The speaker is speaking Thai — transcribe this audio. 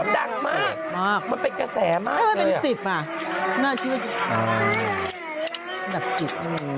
ใช่ใช่นี่มี